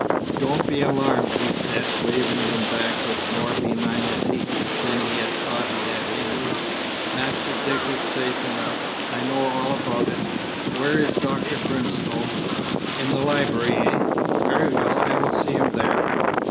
"Don't be alarmed," he said, waving them back with more benignity than he thought he had in him. "Master Dick is safe enough. I know all about it. Where is Dr. Grimstone? In the library, eh? Very well, I will see him there."